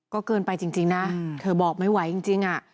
ก็เกินไปจริงนะเธอบอกไม่ไหวจริง